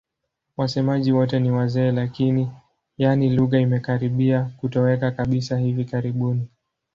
Wasemaji wote ni wazee lakini, yaani lugha imekaribia kutoweka kabisa hivi karibuni.